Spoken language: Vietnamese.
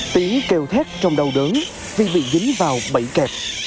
tiếng kèo thét trong đầu đớn vì bị dính vào bẫy kẹp